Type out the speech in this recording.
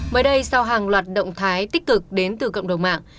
mới đây sau hàng loạt động thái tích cực đến từ cộng đồng mạng